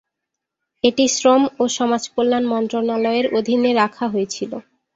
এটি শ্রম ও সমাজকল্যাণ মন্ত্রণালয়ের অধীনে রাখা হয়েছিল।